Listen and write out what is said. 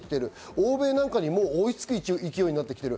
欧米などに追いつく勢いになってきている。